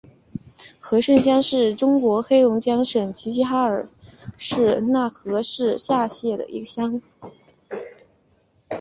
和盛乡是中国黑龙江省齐齐哈尔市讷河市下辖的一个乡。